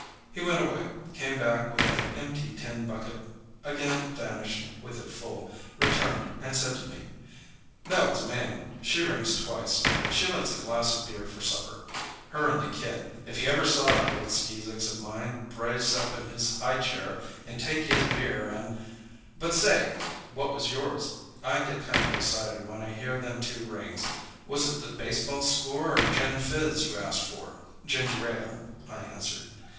He went away; came back with an empty tin bucket; again vanished with it full; returned and said to me: "That was Mame. She rings twice. She likes a glass of beer for supper. Her and the kid. If you ever saw that little skeesicks of mine brace up in his high chair and take his beer and But, say, what was yours? I get kind of excited when I hear them two rings was it the baseball score or gin fizz you asked for?" "Ginger ale," I answered.